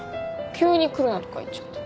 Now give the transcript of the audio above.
急に来るなとか言っちゃって。